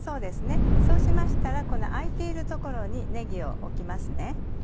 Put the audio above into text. そうしましたらこの空いている所にねぎを置きますね。